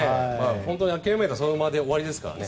本当に諦めたらその場で終わりですからね